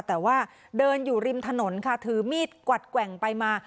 แต่ว่าเดินอยู่ริมถนนค่ะถือมีดกวัดแกว่งไปมา